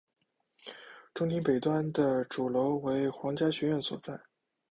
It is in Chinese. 中庭北端的主楼为皇家学院所在。